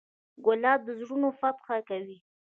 ګلاب د زړونو فتحه کوي.